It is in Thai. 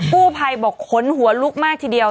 กู้ภัยบอกขนหัวลุกมากทีเดียว